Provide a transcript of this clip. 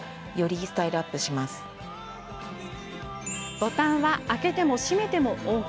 ボタンは開けても閉めてもＯＫ。